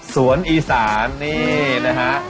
สวนอีสานนี่นะฮะ